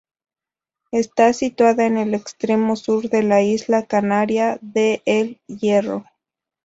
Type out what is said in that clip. Está situada en el extremo sur de la isla canaria de El Hierro.